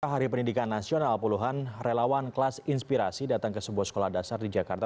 hari pendidikan nasional puluhan relawan kelas inspirasi datang ke sebuah sekolah dasar di jakarta